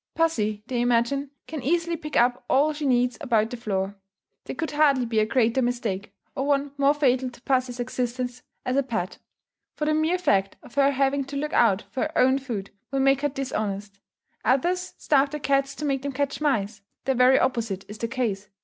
Pussy, they imagine, can easily pick up all she needs about the floor. There could hardly be a greater mistake, or one more fatal to pussy's existence as a pet. For the mere fact of her having to look out for her own food will make her dishonest. Others starve their cats to make them catch mice; the very opposite is the case.